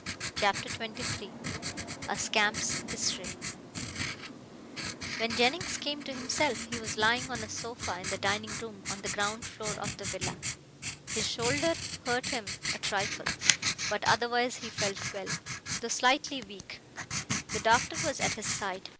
CHAPTER XXIII A SCAMP'S HISTORY When Jennings came to himself he was lying on a sofa in the dining room on the ground floor of the villa. His shoulder hurt him a trifle, but otherwise he felt well, though slightly weak. The doctor was at his side.